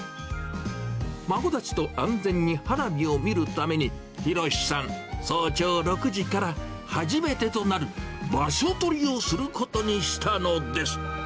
孫たちと安全に花火を見るために、浩さん、早朝６時から、初めてとなる場所取りをすることにしたのです。